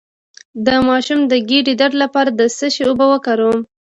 د ماشوم د ګیډې درد لپاره د څه شي اوبه وکاروم؟